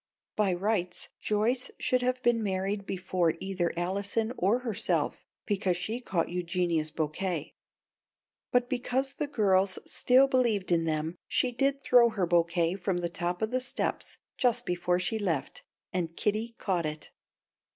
By rights Joyce should have been married before either Allison or herself because she caught Eugenia's bouquet. But because the girls still believed in them she did throw her bouquet from the top of the steps just before she left, and Kitty caught it.